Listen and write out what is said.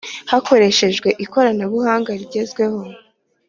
hakoreshejwe ikoranabuhanga rigezweho